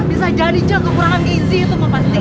bisa jadi juga kekurangan gizi itu mempasti